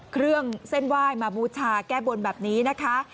เครื่องเส้นไหว้มาบูชาแก้บนแบบนี้นะคะ